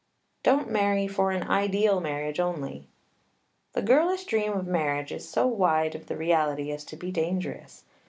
Don't marry for an ideal marriage only. The girlish dream of marriage is so wide of the reality as to be dangerous.